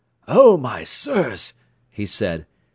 "Oh, my sirs!" he said.